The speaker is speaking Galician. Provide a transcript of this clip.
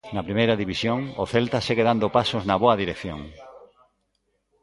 Na Primeira División, o Celta segue dando pasos na boa dirección.